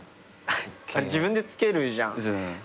あれ自分でつけるじゃん？